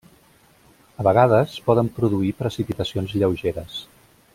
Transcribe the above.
A vegades, poden produir precipitacions lleugeres.